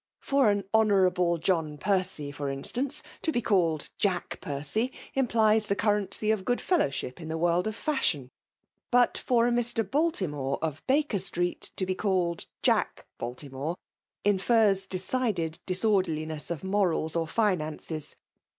Fer an Honourable Jolm Rne^s far iBBtaiMe, to be called " Jade Percy," im^ pKes the onrency of good fidlowriiip in tiM world of faslmni ; but for a Mister BeltinioM^ of Baker street, to be called '' Jack Baltimore," infers decided disorderliness of morals or finances.